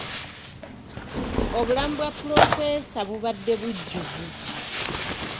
Obulamu bwa pulofeesa bubadde bujjuvu.